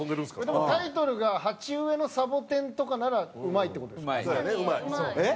でもタイトルが「鉢植えのサボテン」とかならうまいって事ですか？